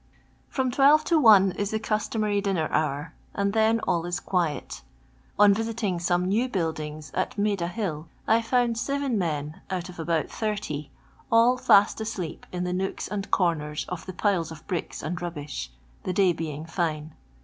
From twelve to one is the customary dinner I hour, nnd then all is quiet On visiting some ' new buildings at Maida hill, I found seven men, I out of nbimt 30, all fast asleep in the nooks and j comers of the piles of bricks and rubbish, the day being fine.